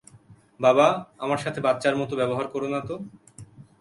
বাবা, আমার সাথে বাচ্চার মত ব্যবহার করো না তো।